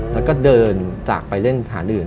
แล้วก็เดินจากไปเล่นสถานอื่น